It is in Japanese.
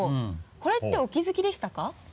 これってお気づきでしたか？